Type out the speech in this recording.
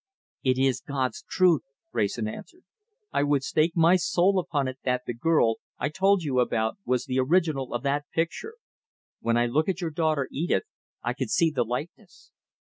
"It is God's truth," Wrayson answered. "I would stake my soul upon it that the girl I told you about was the original of that picture! When I look at your daughter Edith I can see the likeness."